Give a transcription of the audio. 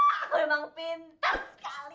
aku memang pintar sekali